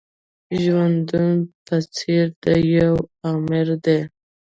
ژوندون په څېر د يوه آمر دی.